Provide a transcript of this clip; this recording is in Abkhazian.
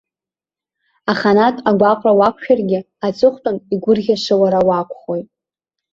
Аханатә агәаҟра уақәшәаргьы, аҵыхәтәан игәырӷьаша уара уакәхоит.